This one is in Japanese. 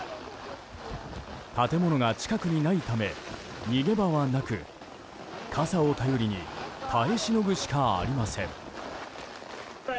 建物が近くにないため逃げ場はなく傘を頼りに耐えしのぐしかありません。